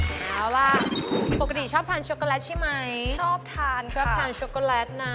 เอาล่ะปกติชอบทานช็อกโกแลตใช่ไหมชอบทานชอบทานช็อกโกแลตนะ